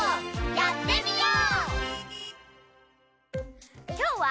やってみよう！